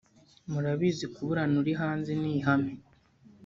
murabizi kuburana uri hanze ni ihame